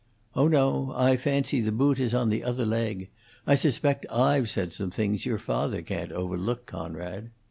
"Oh no. I fancy the boot is on the other leg. I suspect I've said some things your father can't overlook, Conrad."